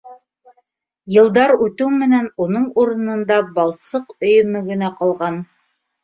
Йылдар үтеү менән, уның урынында балсыҡ өйөмө генә ҡалған.